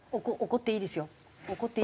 怒っていいですよ。